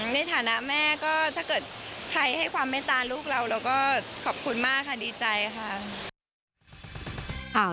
ในฐานะแม่ก็ถ้าเกิดใครให้ความเมตตาลูกเราเราก็ขอบคุณมากค่ะดีใจค่ะ